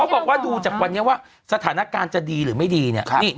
บอกว่าดูจากวันนี้ว่าสถานการณ์จะดีหรือไม่ดีเนี่ย